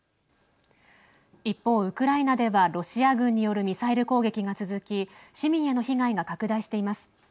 一方、ウクライナではロシア軍によるミサイル攻撃が続き市民への被害が拡大しています。